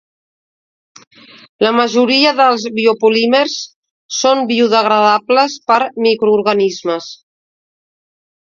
La majoria dels biopolímers són biodegradables per microorganismes.